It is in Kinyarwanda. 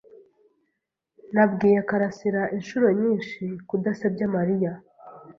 Nabwiye Kalasira inshuro nyinshi kudasebya Mariya.